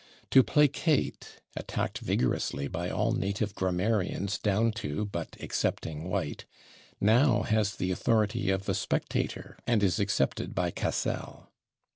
/To placate/, attacked vigorously by all native grammarians down to (but excepting) White, now has the authority of the /Spectator/, and is accepted by Cassell.